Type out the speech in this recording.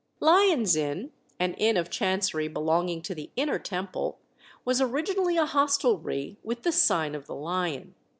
Lyon's Inn, an inn of Chancery belonging to the Inner Temple, was originally a hostelry with the sign of the Lion.